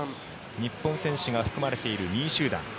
日本選手が含まれている２位集団。